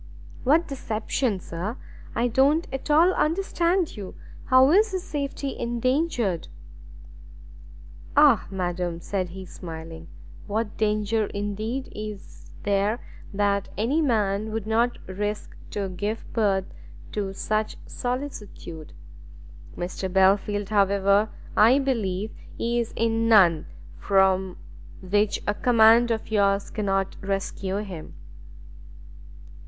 "What deception, sir? I don't at all understand you. How is his safety endangered?" "Ah madam!" said he smiling, "what danger indeed is there that any man would not risk to give birth to such solicitude! Mr Belfield however, I believe is in none from which a command of yours cannot rescue him."